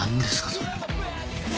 それ。